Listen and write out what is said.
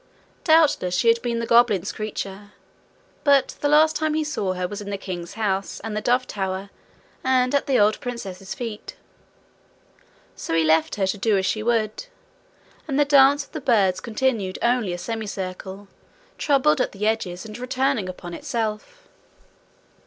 Doubtless she had been the goblins' creature, but the last time he saw her was in the king's house and the dove tower, and at the old princess's feet. So he left her to do as she would, and the dance of the birds continued only a semicircle, troubled at the edges, and returning upon itself.